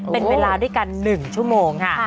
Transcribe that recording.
เป็นเวลาด้วยกัน๑ชั่วโมงค่ะ